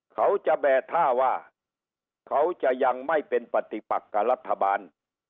เขาจะแบกท่าว่าเขาจะยังไม่เป็นปฏิปักกับรัฐบาล